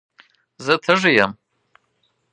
زه تږي یم.